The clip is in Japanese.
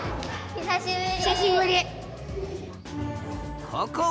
久しぶり！